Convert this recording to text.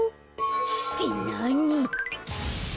ってなに？